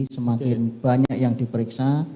semakin banyak yang diperiksa